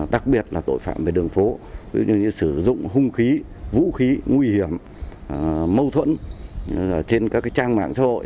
đặc biệt là tội phạm về đường phố ví dụ như sử dụng hung khí vũ khí nguy hiểm mâu thuẫn trên các trang mạng xã hội